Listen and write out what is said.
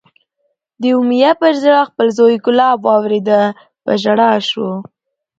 د امیة پر زړه خپل زوی کلاب واورېدی، په ژړا شو